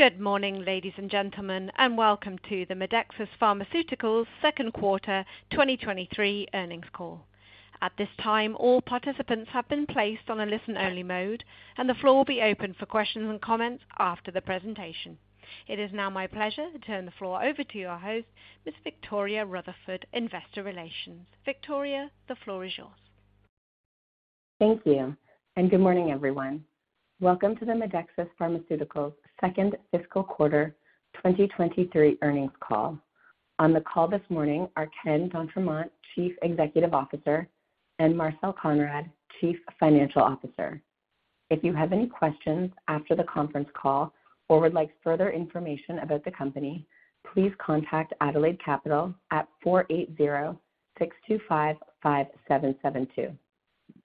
Good morning, ladies and gentlemen, and welcome to the Medexus Pharmaceuticals second quarter 2023 earnings call. At this time, all participants have been placed on a listen-only mode, and the floor will be open for questions and comments after the presentation. It is now my pleasure to turn the floor over to your host, Ms. Victoria Rutherford, Investor Relations. Victoria, the floor is yours. Thank you, and good morning, everyone. Welcome to the Medexus Pharmaceuticals second fiscal quarter 2023 earnings call. On the call this morning are Ken d'Entremont, Chief Executive Officer, and Marcel Konrad, Chief Financial Officer. If you have any questions after the conference call or would like further information about the company, please contact Adelaide Capital at 480-625-5772.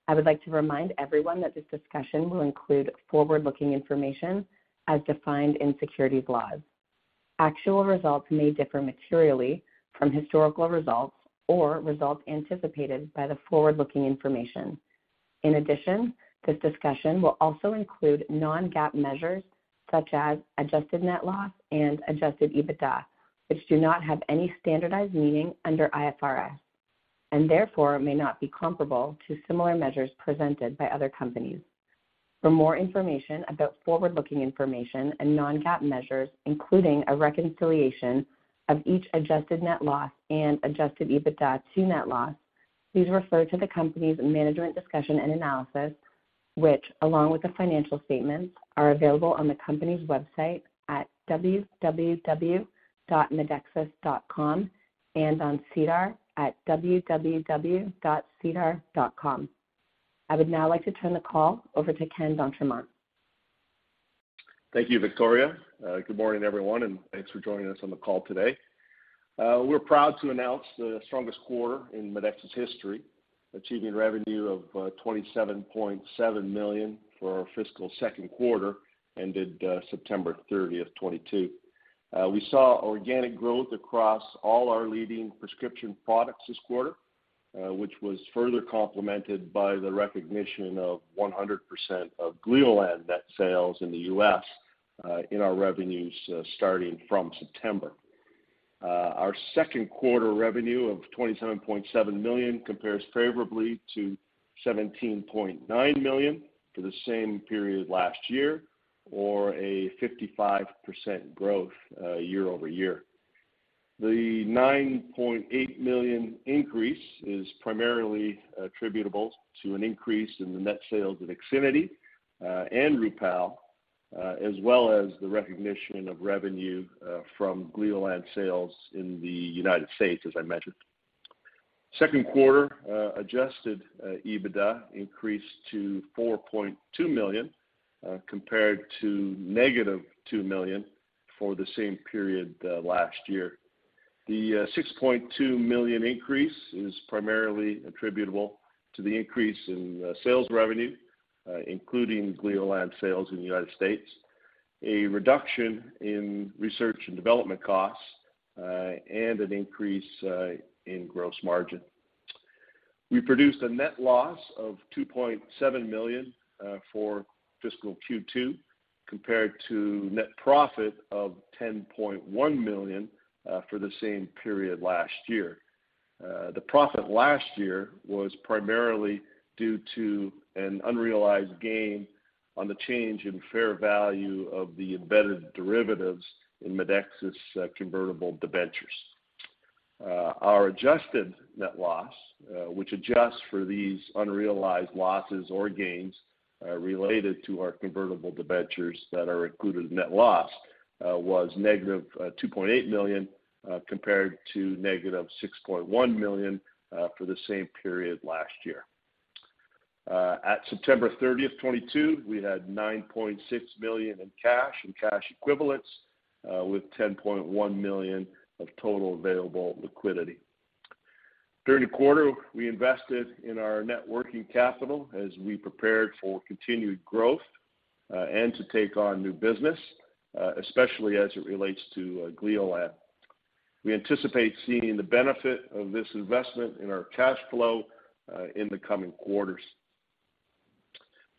I would like to remind everyone that this discussion will include forward-looking information as defined in securities laws. Actual results may differ materially from historical results or results anticipated by the forward-looking information. In addition, this discussion will also include non-GAAP measures such as adjusted net loss and adjusted EBITDA, which do not have any standardized meaning under IFRS and therefore may not be comparable to similar measures presented by other companies. For more information about forward-looking information and non-GAAP measures, including a reconciliation of each adjusted net loss and adjusted EBITDA to net loss, please refer to the company's management discussion and analysis, which along with the financial statements, are available on the company's website at www.medexus.com and on SEDAR at www.sedar.com. I would now like to turn the call over to Ken d'Entremont. Thank you, Victoria. Good morning, everyone, and thanks for joining us on the call today. We're proud to announce the strongest quarter in Medexus history, achieving revenue of 27.7 million for our fiscal second quarter ended September 30th, 2022. We saw organic growth across all our leading prescription products this quarter, which was further complemented by the recognition of 100% of Gleolan net sales in the U.S. in our revenues starting from September. Our second quarter revenue of 27.7 million compares favorably to 17.9 million for the same period last year or a 55% growth year-over-year. The 9.8 million increase is primarily attributable to an increase in the net sales of IXINITY and Rupall, as well as the recognition of revenue from Gleolan sales in the United States, as I mentioned. Second quarter adjusted EBITDA increased to 4.2 million, compared to -2 million for the same period last year. The 6.2 million increase is primarily attributable to the increase in sales revenue, including Gleolan sales in the United States, a reduction in research and development costs, and an increase in gross margin. We produced a net loss of 2.7 million for fiscal Q2 compared to net profit of 10.1 million for the same period last year. The profit last year was primarily due to an unrealized gain on the change in fair value of the embedded derivatives in Medexus's convertible debentures. Our adjusted net loss, which adjusts for these unrealized losses or gains related to our convertible debentures that are included in net loss, was -2.8 million compared to -6.1 million for the same period last year. At September 30, 2022, we had 9.6 million in cash and cash equivalents, with 10.1 million of total available liquidity. During the quarter, we invested in our net working capital as we prepared for continued growth and to take on new business, especially as it relates to Gleolan. We anticipate seeing the benefit of this investment in our cash flow in the coming quarters.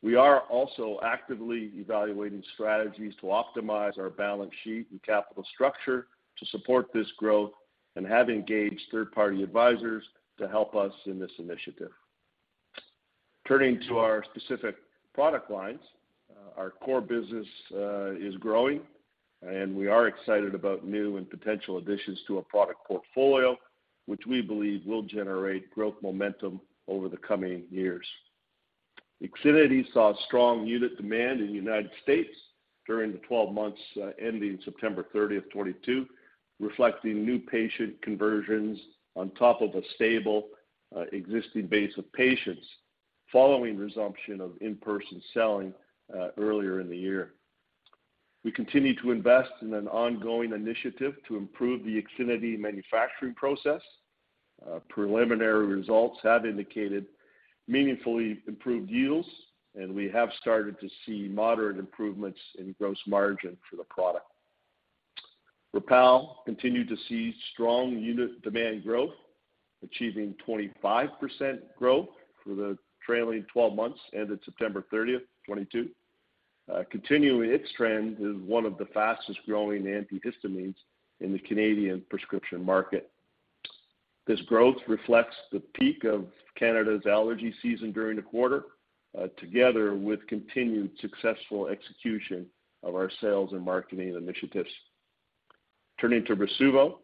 We are also actively evaluating strategies to optimize our balance sheet and capital structure to support this growth and have engaged third-party advisors to help us in this initiative. Turning to our specific product lines, our core business is growing, and we are excited about new and potential additions to our product portfolio, which we believe will generate growth momentum over the coming years. IXINITY saw strong unit demand in the United States during the 12 months ending September 30, 2022, reflecting new patient conversions on top of a stable existing base of patients following resumption of in-person selling earlier in the year. We continue to invest in an ongoing initiative to improve the IXINITY manufacturing process. Preliminary results have indicated meaningfully improved yields, and we have started to see moderate improvements in gross margin for the product. Rupall continued to see strong unit demand growth, achieving 25% growth for the trailing twelve months ended September 30th, 2022. Continuing its trend as one of the fastest growing antihistamines in the Canadian prescription market. This growth reflects the peak of Canada's allergy season during the quarter, together with continued successful execution of our sales and marketing initiatives. Turning to Rasuvo,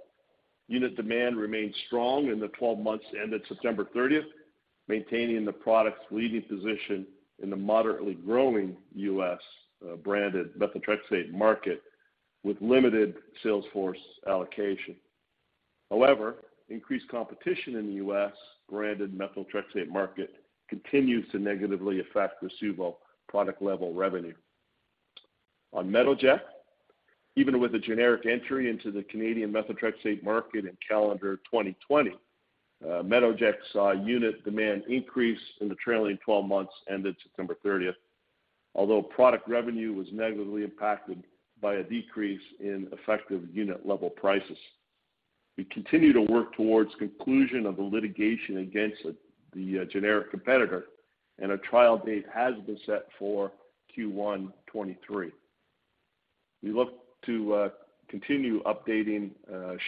unit demand remained strong in the twelve months ended September 30th, maintaining the product's leading position in the moderately growing U.S. branded methotrexate market with limited sales force allocation. However, increased competition in the U.S. branded methotrexate market continues to negatively affect Rasuvo product level revenue. On Metoject, even with the generic entry into the Canadian methotrexate market in calendar 2020, Metoject saw unit demand increase in the trailing twelve months ended September 30. Although product revenue was negatively impacted by a decrease in effective unit level prices. We continue to work towards conclusion of the litigation against the generic competitor, and a trial date has been set for Q1 2023. We look to continue updating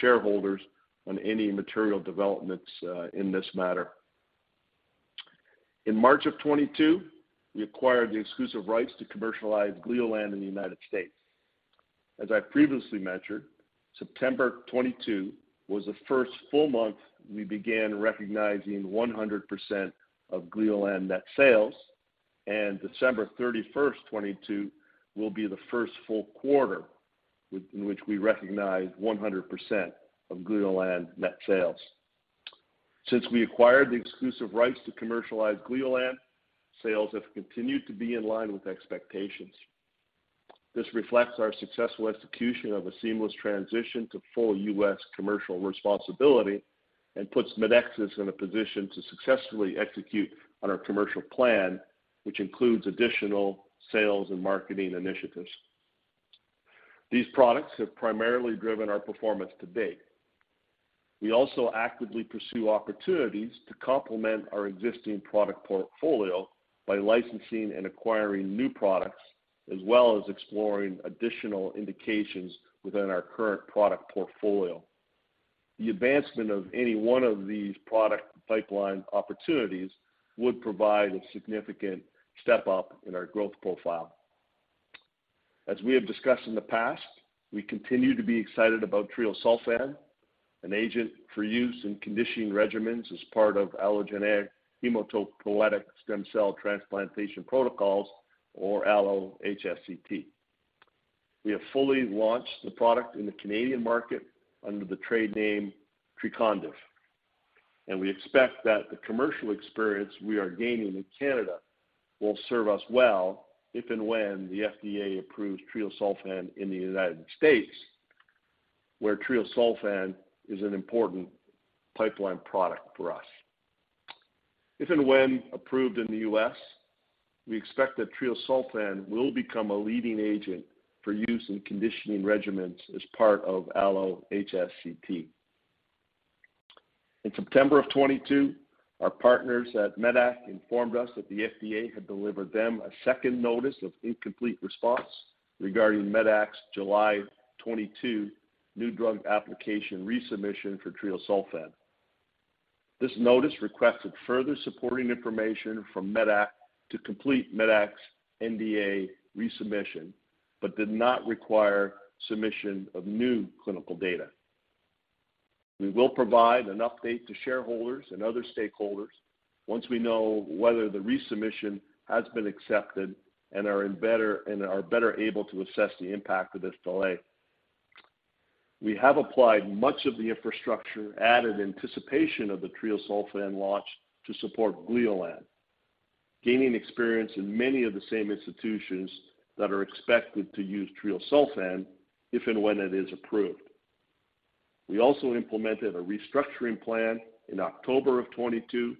shareholders on any material developments in this matter. In March of 2022, we acquired the exclusive rights to commercialize Gleolan in the United States. As I previously mentioned, September 2022 was the first full month we began recognizing 100% of Gleolan net sales, and December 31, 2022 will be the first full quarter in which we recognize 100% of Gleolan net sales. Since we acquired the exclusive rights to commercialize Gleolan, sales have continued to be in line with expectations. This reflects our successful execution of a seamless transition to full U.S. commercial responsibility and puts Medexus in a position to successfully execute on our commercial plan, which includes additional sales and marketing initiatives. These products have primarily driven our performance to date. We also actively pursue opportunities to complement our existing product portfolio by licensing and acquiring new products, as well as exploring additional indications within our current product portfolio. The advancement of any one of these product pipeline opportunities would provide a significant step up in our growth profile. We continue to be excited about treosulfan, an agent for use in conditioning regimens as part of allogeneic hematopoietic stem cell transplantation protocols, or allo-HSCT. We have fully launched the product in the Canadian market under the trade name Trecondyv, and we expect that the commercial experience we are gaining in Canada will serve us well if and when the FDA approves treosulfan in the United States, where treosulfan is an important pipeline product for us. If and when approved in the U.S., we expect that treosulfan will become a leading agent for use in conditioning regimens as part of allo-HSCT. In September of 2022, our partners at medac informed us that the FDA had delivered them a second notice of incomplete response regarding medac's July 2022 new drug application resubmission for treosulfan. This notice requested further supporting information from medac to complete medac's NDA resubmission, but did not require submission of new clinical data. We will provide an update to shareholders and other stakeholders once we know whether the resubmission has been accepted and are better able to assess the impact of this delay. We have applied much of the infrastructure added in anticipation of the treosulfan launch to support Gleolan, gaining experience in many of the same institutions that are expected to use treosulfan if and when it is approved. We also implemented a restructuring plan in October of 2022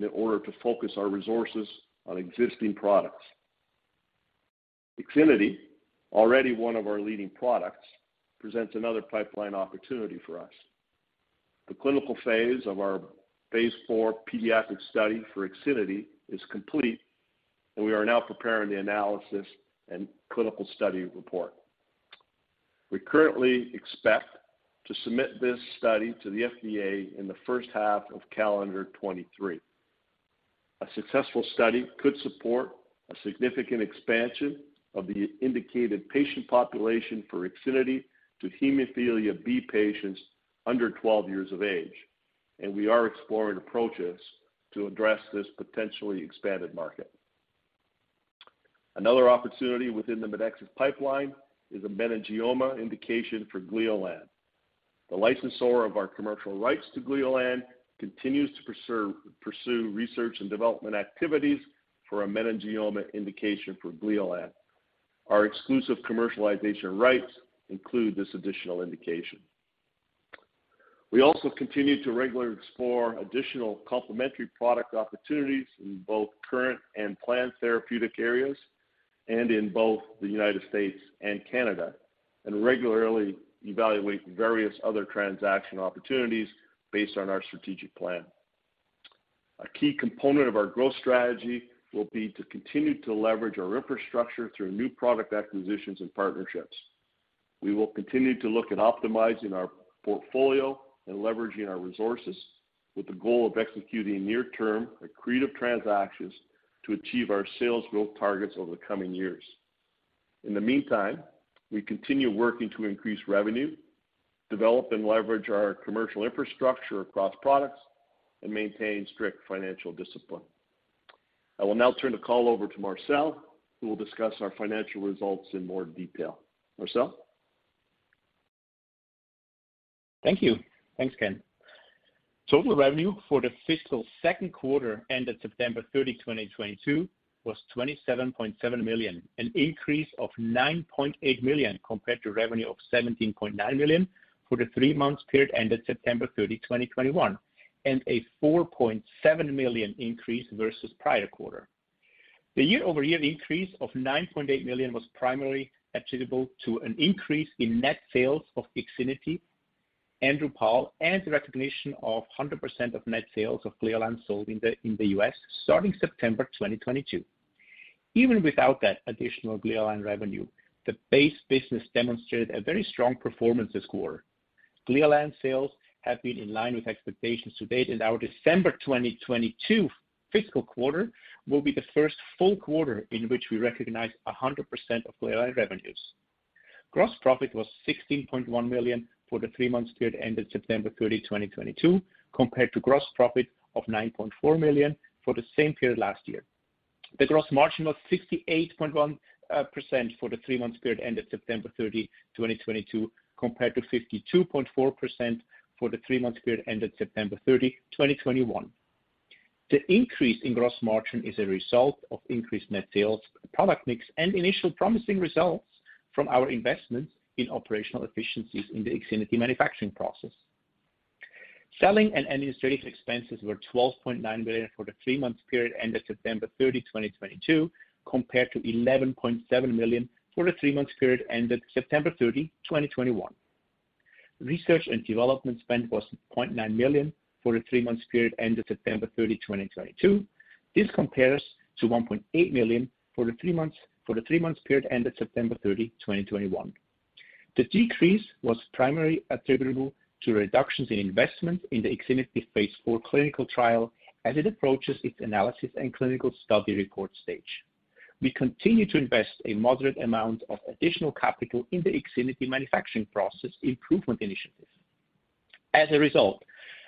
in order to focus our resources on existing products. IXINITY, already one of our leading products, presents another pipeline opportunity for us. The clinical phase of our phase IV pediatric study for IXINITY is complete, and we are now preparing the analysis and clinical study report. We currently expect to submit this study to the FDA in the first half of calendar 2023. A successful study could support a significant expansion of the indicated patient population for IXINITY to hemophilia B patients under 12 years of age, and we are exploring approaches to address this potentially expanded market. Another opportunity within the Medexus pipeline is a meningioma indication for Gleolan. The licensor of our commercial rights to Gleolan continues to pursue research and development activities for a meningioma indication for Gleolan. Our exclusive commercialization rights include this additional indication. We also continue to regularly explore additional complementary product opportunities in both current and planned therapeutic areas and in both the United States and Canada, and regularly evaluate various other transaction opportunities based on our strategic plan. A key component of our growth strategy will be to continue to leverage our infrastructure through new product acquisitions and partnerships. We will continue to look at optimizing our portfolio and leveraging our resources with the goal of executing near-term accretive transactions to achieve our sales growth targets over the coming years. In the meantime, we continue working to increase revenue, develop and leverage our commercial infrastructure across products, and maintain strict financial discipline. I will now turn the call over to Marcel, who will discuss our financial results in more detail. Marcel? Thank you. Thanks, Ken. Total revenue for the fiscal second quarter ended September 30, 2022 was 27.7 million, an increase of 9.8 million compared to revenue of 17.9 million for the three-month period ended September 30, 2021, and a 4.7 million increase versus prior quarter. The year-over-year increase of 9.8 million was primarily attributable to an increase in net sales of IXINITY, Rupall, and the recognition of 100% of net sales of Gleolan sold in the U.S. starting September 2022. Even without that additional Gleolan revenue, the base business demonstrated a very strong performance this quarter. Gleolan sales have been in line with expectations to date, and our December 2022 fiscal quarter will be the first full quarter in which we recognize 100% of Gleolan revenues. Gross profit was 16.1 million for the three-month period ended September 30, 2022, compared to gross profit of 9.4 million for the same period last year. The gross margin was 68.1% for the three-month period ended September 30, 2022, compared to 52.4% for the three-month period ended September 30, 2021. The increase in gross margin is a result of increased net sales, product mix, and initial promising results from our investments in operational efficiencies in the IXINITY manufacturing process. Selling and administrative expenses were 12.9 million for the three-month period ended September 30, 2022, compared to 11.7 million for the three-month period ended September 30, 2021. Research and development spend was 0.9 million for the three-month period ended September 30, 2022. This compares to 1.8 million for the three-month period ended September 30, 2021. The decrease was primarily attributable to reductions in investment in the IXINITY phase IV clinical trial as it approaches its analysis and clinical study report stage. We continue to invest a moderate amount of additional capital in the IXINITY manufacturing process improvement initiative. As a result,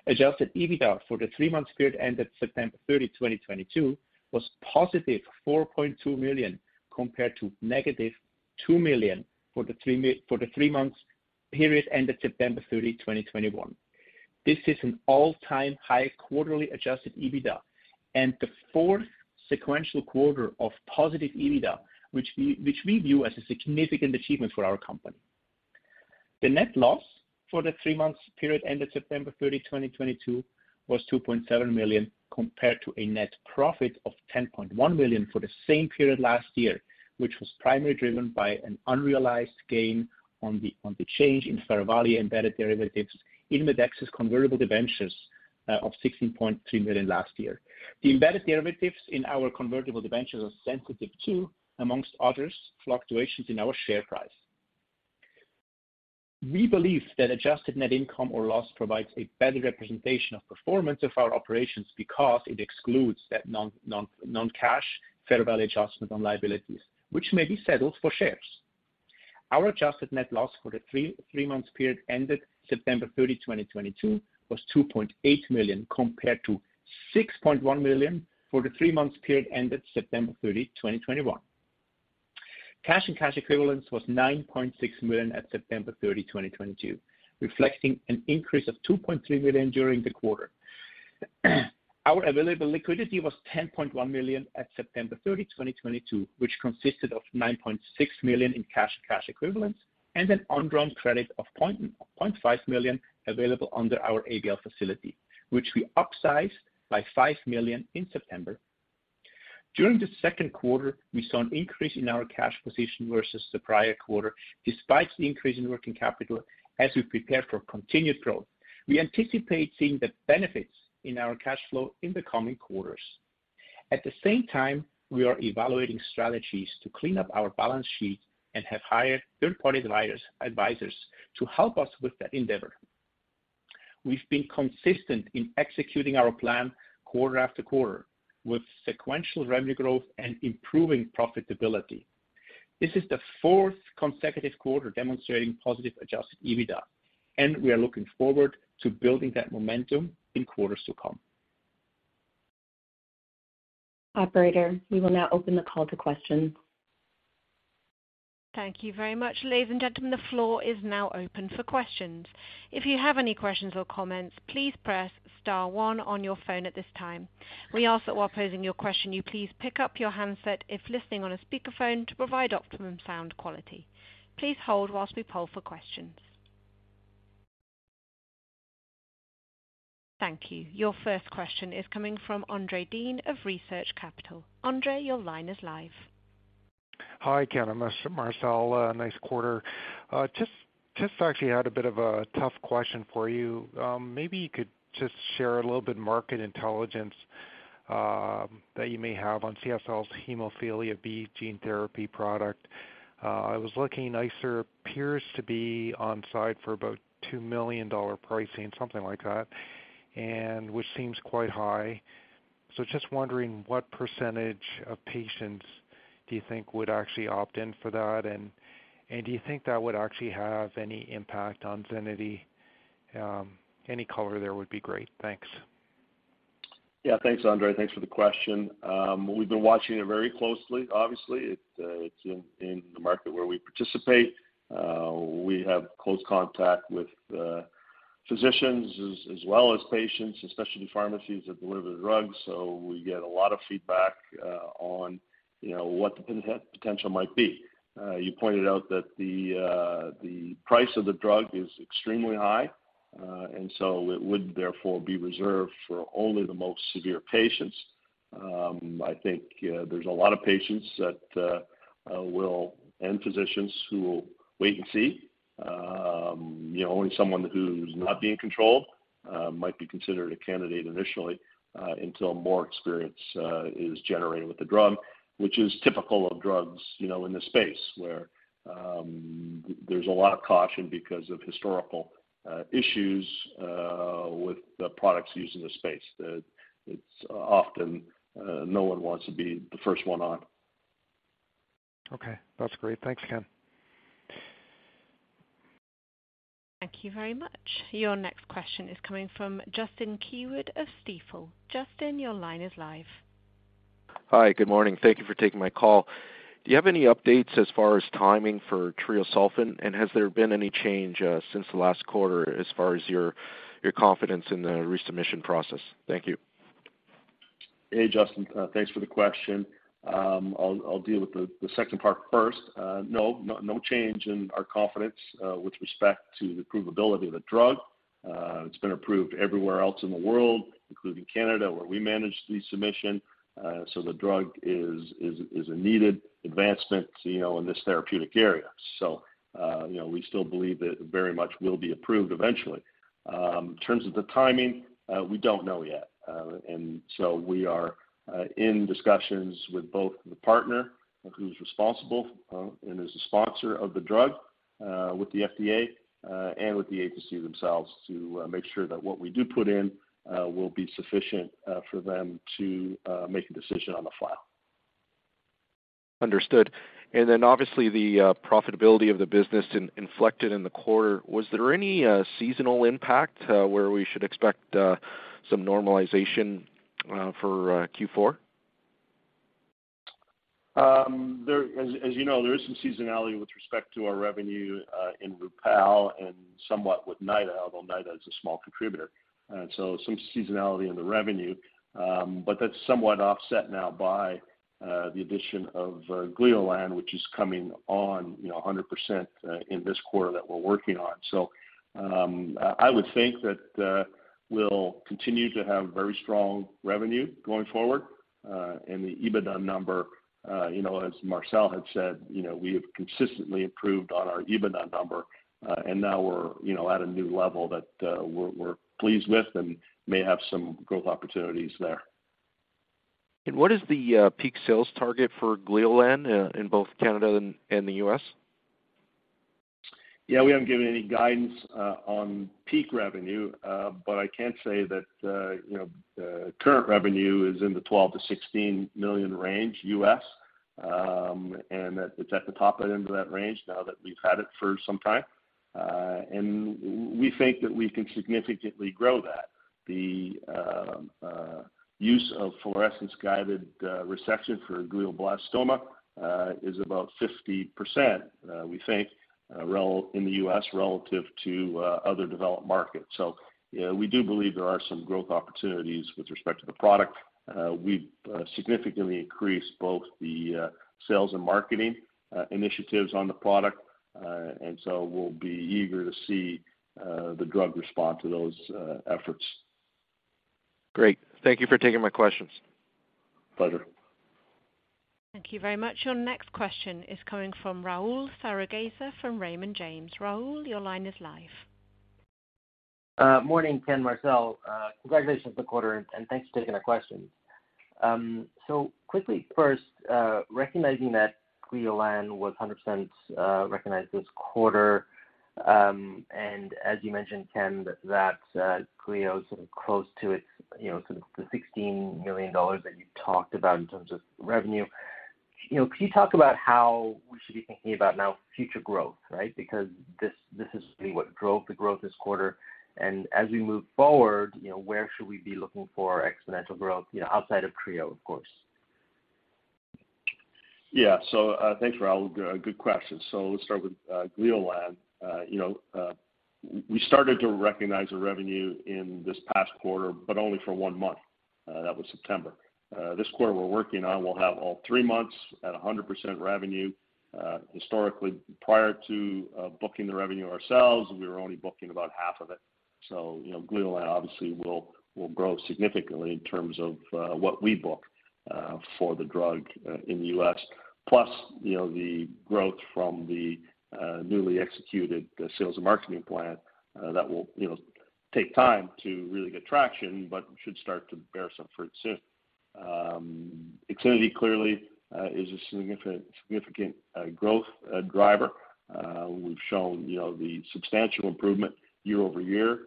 adjusted EBITDA for the three-month period ended September 30, 2022 was positive 4.2 million, compared to negative 2 million for the three-month period ended September 30, 2021. This is an all-time high quarterly adjusted EBITDA and the fourth sequential quarter of positive EBITDA, which we view as a significant achievement for our company. The net loss for the three-month period ended September 30, 2022 was 2.7 million, compared to a net profit of 10.1 million for the same period last year, which was primarily driven by an unrealized gain on the change in fair value of embedded derivatives in Medexus's convertible debentures of 16.3 million last year. The embedded derivatives in our convertible debentures are sensitive to, among others, fluctuations in our share price. We believe that adjusted net income or loss provides a better representation of performance of our operations because it excludes that non-cash fair value adjustment on liabilities, which may be settled for shares. Our adjusted net loss for the three-month period ended September 30, 2022 was 2.8 million, compared to 6.1 million for the three-month period ended September 30, 2021. Cash and cash equivalents was 9.6 million at September 30, 2022, reflecting an increase of 2.3 million during the quarter. Our available liquidity was 10.1 million at September 30, 2022, which consisted of 9.6 million in cash and cash equivalents and an undrawn credit of 0.5 million available under our ABL facility, which we upsized by 5 million in September. During the second quarter, we saw an increase in our cash position versus the prior quarter, despite the increase in working capital as we prepare for continued growth. We anticipate seeing the benefits in our cash flow in the coming quarters. At the same time, we are evaluating strategies to clean up our balance sheet and have hired third-party advisors to help us with that endeavor. We've been consistent in executing our plan quarter after quarter with sequential revenue growth and improving profitability. This is the fourth consecutive quarter demonstrating positive adjusted EBITDA, and we are looking forward to building that momentum in quarters to come. Operator, we will now open the call to questions. Thank you very much. Ladies and gentlemen, the floor is now open for questions. If you have any questions or comments, please press star one on your phone at this time. We ask that while posing your question, you please pick up your handset if listening on a speakerphone to provide optimum sound quality. Please hold while we poll for questions. Thank you. Your first question is coming from Andre Uddin of Research Capital. Andre Uddin, your line is live. Hi, Ken. Marcel. Nice quarter. Just actually had a bit of a tough question for you. Maybe you could just share a little bit of market intelligence that you may have on CSL's hemophilia B gene therapy product. I was looking, ICER appears to be on site for about 2 million dollar pricing, something like that, and which seems quite high. Just wondering, what percentage of patients do you think would actually opt in for that? Do you think that would actually have any impact on IXINITY? Any color there would be great. Thanks. Yeah. Thanks, Andre. Thanks for the question. We've been watching it very closely. Obviously. It's in the market where we participate. We have close contact with physicians as well as patients, especially pharmacies that deliver the drugs. So we get a lot of feedback on, you know, what the potential might be. You pointed out that the price of the drug is extremely high, and so it would therefore be reserved for only the most severe patients. I think there's a lot of patients that will and physicians who will wait and see. You know, only someone who's not being controlled might be considered a candidate initially until more experience is generated with the drug, which is typical of drugs, you know, in the space where there's a lot of caution because of historical issues with the products used in the space. It's often no one wants to be the first one on. Okay, that's great. Thanks, Ken. Thank you very much. Your next question is coming from Justin Keywood of Stifel. Justin, your line is live. Hi. Good morning. Thank you for taking my call. Do you have any updates as far as timing for treosulfan? Has there been any change since the last quarter as far as your confidence in the resubmission process? Thank you. Hey, Justin. Thanks for the question. I'll deal with the second part first. No change in our confidence with respect to the approvability of the drug. It's been approved everywhere else in the world, including Canada, where we managed the submission. The drug is a needed advancement, you know, in this therapeutic area. You know, we still believe that it very much will be approved eventually. In terms of the timing, we don't know yet. We are in discussions with both the partner who's responsible and is the sponsor of the drug with the FDA and with the agency themselves to make sure that what we do put in will be sufficient for them to make a decision on the file. Understood. Obviously, the profitability of the business inflected in the quarter. Was there any seasonal impact where we should expect some normalization for Q4? As you know, there is some seasonality with respect to our revenue in Rupall and somewhat with NYDA, although NYDA is a small contributor. Some seasonality in the revenue. That's somewhat offset now by the addition of Gleolan, which is coming on, you know, 100% in this quarter that we're working on. I would think that we'll continue to have very strong revenue going forward. The EBITDA number, you know, as Marcel had said, you know, we have consistently improved on our EBITDA number, and now we're, you know, at a new level that we're pleased with and may have some growth opportunities there. What is the peak sales target for Gleolan in both Canada and the U.S.? Yeah, we haven't given any guidance on peak revenue. I can say that, you know, current revenue is in the $12 million-$16 million range, and that it's at the top end of that range now that we've had it for some time. We think that we can significantly grow that. The use of fluorescence-guided resection for glioblastoma is about 50%, we think, in the U.S. relative to other developed markets. You know, we do believe there are some growth opportunities with respect to the product. We've significantly increased both the sales and marketing initiatives on the product. We'll be eager to see the drug respond to those efforts. Great. Thank you for taking my questions. Pleasure. Thank you very much. Your next question is coming from Rahul Sarugaser from Raymond James. Rahul, your line is live. Morning, Ken, Marcel. Congratulations on the quarter and thanks for taking our questions. Quickly first, recognizing that Gleolan was 100% recognized this quarter, and as you mentioned, Ken, that Gleolan is close to its, you know, sort of the 16 million dollars that you talked about in terms of revenue. You know, can you talk about how we should be thinking about now future growth, right? Because this is really what drove the growth this quarter. As we move forward, you know, where should we be looking for exponential growth, you know, outside of Creo, of course? Yeah. Thanks, Rahul. Good question. Let's start with Gleolan. You know, we started to recognize the revenue in this past quarter, but only for one month. That was September. This quarter we're working on, we'll have all three months at 100% revenue. Historically, prior to booking the revenue ourselves, we were only booking about half of it. Gleolan obviously will grow significantly in terms of what we book for the drug in the U.S.. Plus, you know, the growth from the newly executed sales and marketing plan that will, you know, take time to really get traction, but should start to bear some fruit soon. IXINITY clearly is a significant growth driver. We've shown, you know, the substantial improvement year-over-year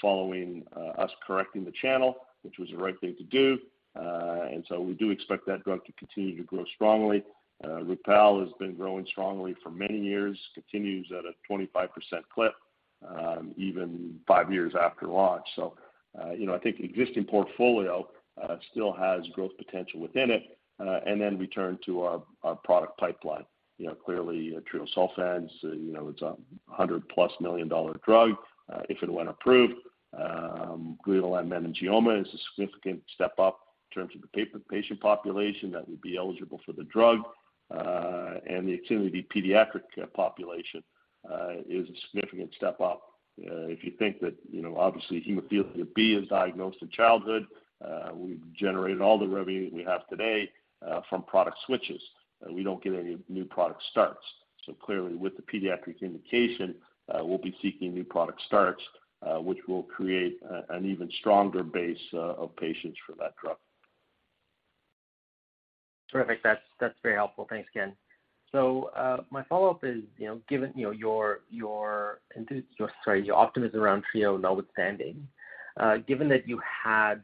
following us correcting the channel, which was the right thing to do. We do expect that drug to continue to grow strongly. Rupall has been growing strongly for many years, continues at a 25% clip, even five years after launch. You know, I think existing portfolio still has growth potential within it. We turn to our product pipeline. You know, clearly, treosulfan, you know, it's a 100+ million dollar drug if it went approved. Gleolan meningioma is a significant step up in terms of the patient population that would be eligible for the drug. The IXINITY pediatric population is a significant step up. If you think that, you know, obviously hemophilia B is diagnosed in childhood, we've generated all the revenue we have today from product switches. We don't get any new product starts. Clearly, with the pediatric indication, we'll be seeking new product starts, which will create an even stronger base of patients for that drug. Terrific. That's very helpful. Thanks, Ken. My follow-up is, you know, given, you know, your optimism around Trecondyv notwithstanding, given that you had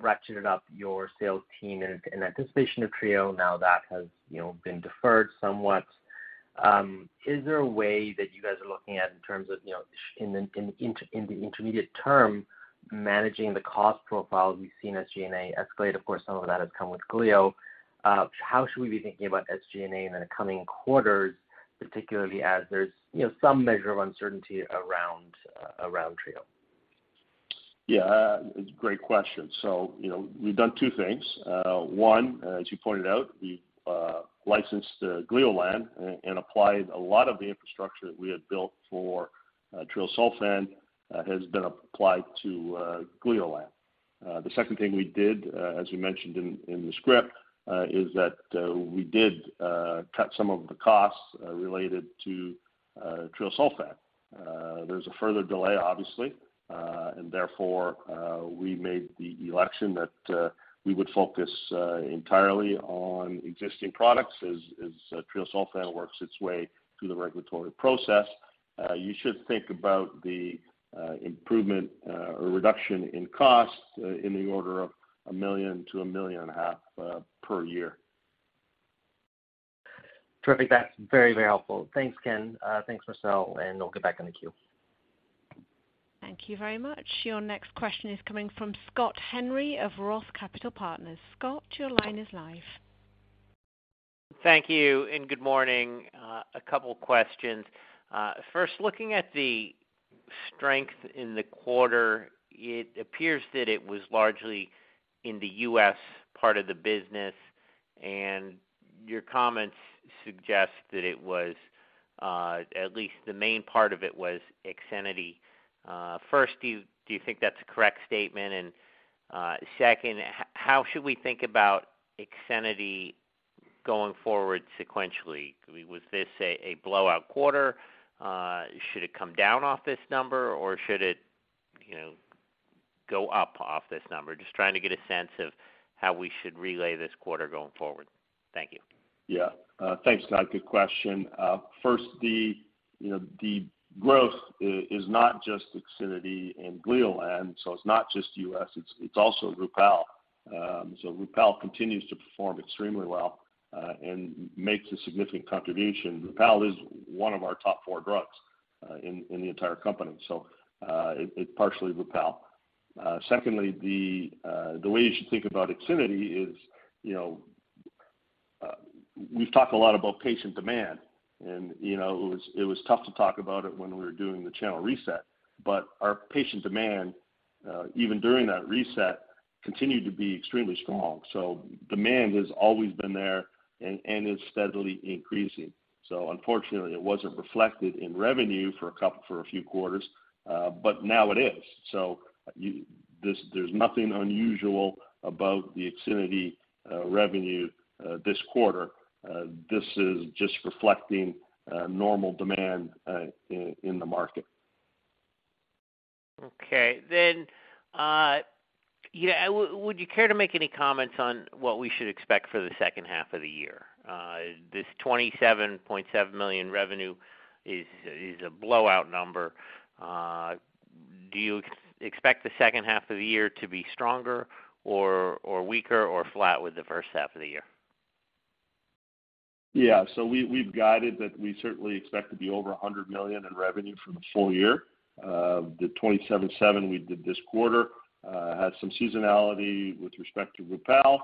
ratcheted up your sales team in anticipation of Trecondyv, now that has, you know, been deferred somewhat, is there a way that you guys are looking at in terms of, you know, in the intermediate term, managing the cost profile we've seen SG&A escalate? Of course, some of that has come with Gleolan. How should we be thinking about SG&A in the coming quarters, particularly as there's, you know, some measure of uncertainty around Trecondyv? Yeah, it's a great question. You know, we've done two things. One, as you pointed out, we licensed Gleolan and applied a lot of the infrastructure that we had built for Trecondyv has been applied to Gleolan. The second thing we did, as you mentioned in the script, is that we cut some of the costs related to Trecondyv. There's a further delay, obviously, and therefore we made the election that we would focus entirely on existing products as Trecondyv works its way through the regulatory process. You should think about the improvement or reduction in costs in the order of 1 million-1.5 million per year. Terrific. That's very, very helpful. Thanks, Ken. Thanks, Marcel, and I'll get back in the queue. Thank you very much. Your next question is coming from Scott Henry of Roth Capital Partners. Scott, your line is live. Thank you. Good morning. A couple questions. First, looking at the strength in the quarter, it appears that it was largely in the U.S. part of the business, and your comments suggest that it was at least the main part of it was IXINITY. First, do you think that's a correct statement? Second, how should we think about IXINITY going forward sequentially? Was this a blowout quarter? Should it come down off this number or should it, you know, go up off this number? Just trying to get a sense of how we should relay this quarter going forward. Thank you. Yeah. Thanks, Scott. Good question. First, you know, the growth is not just IXINITY and Gleolan, so it's not just U.S., it's also Rupall. So Rupall continues to perform extremely well and makes a significant contribution. Rupall is one of our top four drugs in the entire company. So it is partially Rupall. Secondly, the way you should think about IXINITY is, you know, we've talked a lot about patient demand, and you know, it was tough to talk about it when we were doing the channel reset. Our patient demand, even during that reset, continued to be extremely strong. So demand has always been there and is steadily increasing. So unfortunately, it wasn't reflected in revenue for a few quarters, but now it is. There's nothing unusual about the IXINITY revenue this quarter. This is just reflecting normal demand in the market. Okay. Yeah, would you care to make any comments on what we should expect for the second half of the year? This 27.7 million revenue is a blowout number. Do you expect the second half of the year to be stronger or weaker or flat with the first half of the year? Yeah. We've guided that we certainly expect to be over 100 million in revenue for the full year. The 27.7 million we did this quarter had some seasonality with respect to Rupall,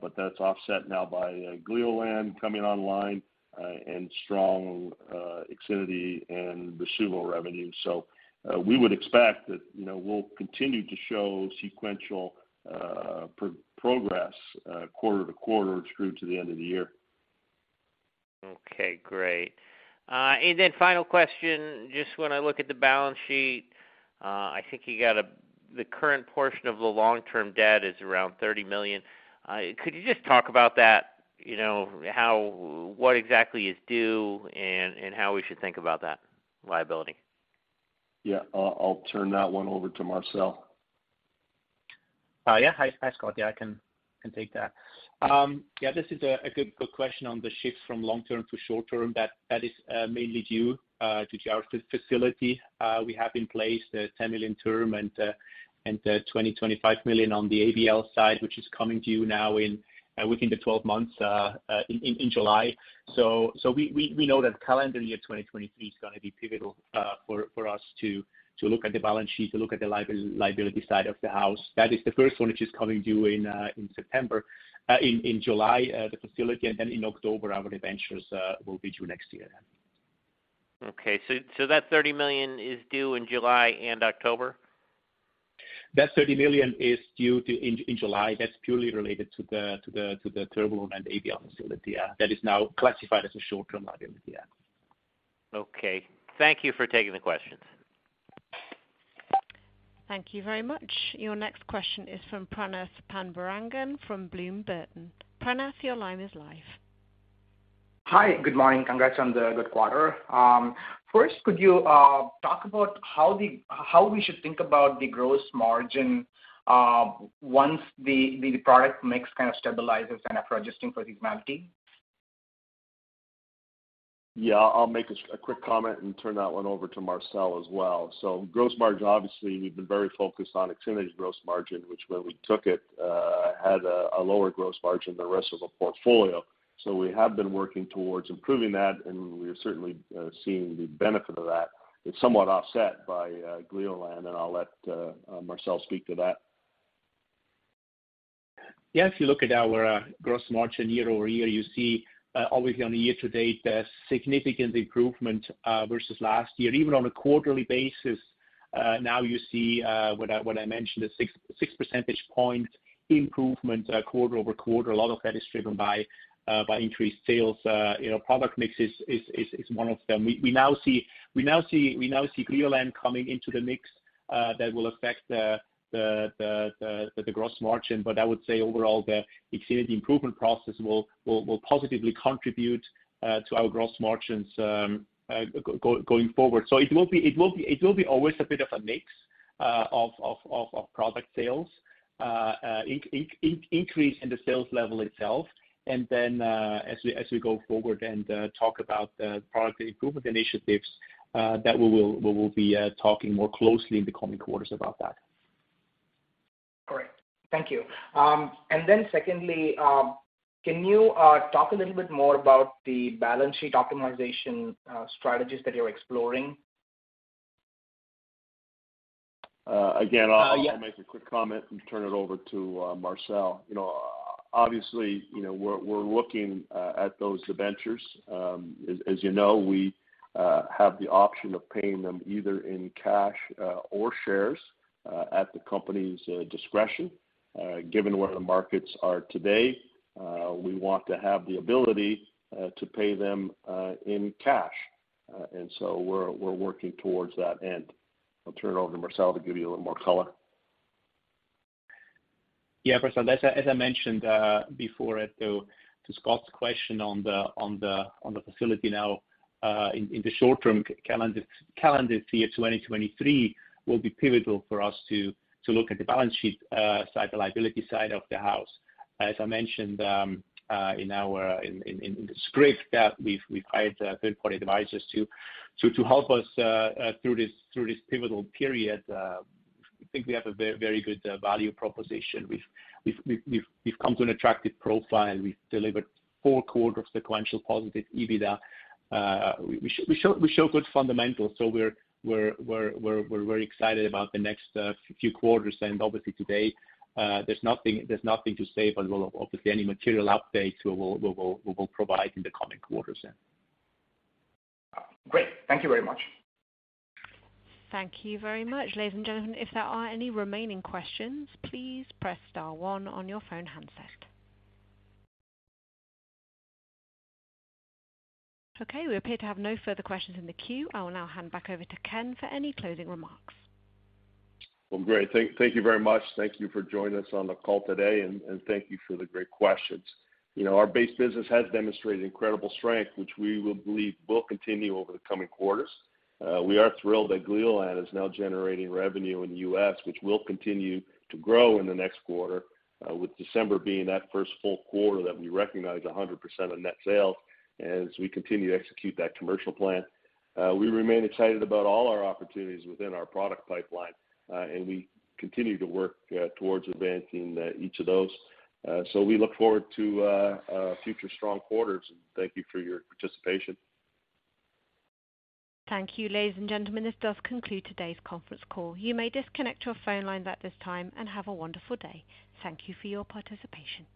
but that's offset now by Gleolan coming online and strong IXINITY and Rasuvo revenue. We would expect that, you know, we'll continue to show sequential progress quarter to quarter through to the end of the year. Okay, great. Final question. Just when I look at the balance sheet, I think you got the current portion of the long-term debt is around 30 million. Could you just talk about that? You know, what exactly is due and how we should think about that liability? Yeah. I'll turn that one over to Marcel. Yeah. Hi, Scott. Yeah, I can take that. Yeah, this is a good question on the shift from long-term to short-term. That is mainly due to our facility. We have in place the 10 million term and the 25 million on the ABL side, which is coming to you now within the 12 months, in July. We know that calendar year 2023 is gonna be pivotal for us to look at the balance sheet, to look at the liability side of the house. That is the first one which is coming due in July, the facility, and then in October, our debentures will be due next year. Okay. That 30 million is due in July and October? That 30 million is due in July. That's purely related to the term loan and ABL facility, yeah. That is now classified as a short-term liability. Yeah. Okay. Thank you for taking the questions. Thank you very much. Your next question is from Prasath Pandurangan from Bloom Burton. Prasath, your line is live. Hi. Good morning. Congrats on the good quarter. First, could you talk about how we should think about the gross margin once the product mix kind of stabilizes and after adjusting for IXINITY? Yeah. I'll make a quick comment and turn that one over to Marcel as well. Gross margin, obviously, we've been very focused on IXINITY's gross margin, which when we took it, had a lower gross margin than the rest of the portfolio. We have been working towards improving that, and we're certainly seeing the benefit of that. It's somewhat offset by Gleolan, and I'll let Marcel speak to that. Yeah. If you look at our gross margin year-over-year, you see obviously on a year to date, a significant improvement versus last year. Even on a quarterly basis, now you see what I mentioned, a 6 percentage point improvement quarter-over-quarter. A lot of that is driven by increased sales. You know, product mix is one of them. We now see Gleolan coming into the mix that will affect the gross margin. I would say overall, the IXINITY improvement process will positively contribute to our gross margins going forward. It will be always a bit of a mix of product sales, increase in the sales level itself. As we go forward and talk about the product improvement initiatives, that we will be talking more closely in the coming quarters about that. Great. Thank you. Secondly, can you talk a little bit more about the balance sheet optimization strategies that you're exploring? Again. Yeah. I'll make a quick comment and turn it over to Marcel. You know, obviously, you know, we're looking at those debentures. As you know, we have the option of paying them either in cash or shares at the company's discretion. Given where the markets are today, we want to have the ability to pay them in cash. We're working towards that end. I'll turn it over to Marcel to give you a little more color. Yeah, Prasath, as I mentioned before to Scott's question on the facility now, in the short term, calendar year 2023 will be pivotal for us to look at the balance sheet, the liability side of the house. As I mentioned, in our script that we've hired third party advisors to help us through this pivotal period. I think we have a very good value proposition. We've come to an attractive profile. We've delivered four quarters of sequential positive EBITDA. We show good fundamentals, so we're very excited about the next few quarters. Obviously today, there's nothing to say, but we'll obviously any material updates we will provide in the coming quarters then. Great. Thank you very much. Thank you very much. Ladies and gentlemen, if there are any remaining questions, please press star one on your phone handset. Okay, we appear to have no further questions in the queue. I will now hand back over to Ken for any closing remarks. Well, great. Thank you very much. Thank you for joining us on the call today, and thank you for the great questions. You know, our base business has demonstrated incredible strength, which we believe will continue over the coming quarters. We are thrilled that Gleolan is now generating revenue in the U.S., which will continue to grow in the next quarter, with December being that first full quarter that we recognize 100% of net sales, and as we continue to execute that commercial plan. We remain excited about all our opportunities within our product pipeline, and we continue to work towards advancing each of those. We look forward to future strong quarters. Thank you for your participation. Thank you. Ladies and gentlemen, this does conclude today's conference call. You may disconnect your phone lines at this time and have a wonderful day. Thank you for your participation.